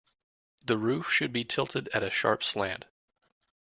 The roof should be tilted at a sharp slant.